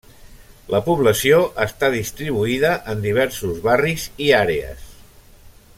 La població està distribuïda en diversos barris i àrees.